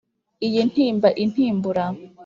Iyi ntimba intimbura